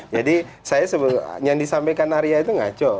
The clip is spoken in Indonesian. jadi saya yang disampaikan arya itu ngaco